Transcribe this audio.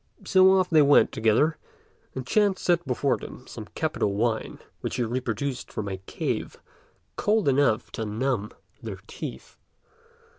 So off they went together; and Ch'ên set before them some capital wine, which he produced from a cave, cold enough to numb their teeth.